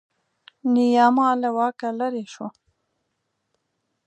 نیاما له واکه لرې شو.